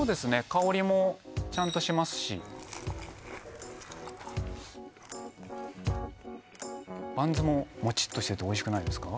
香りもちゃんとしますしバンズもモチッとしてておいしくないですか？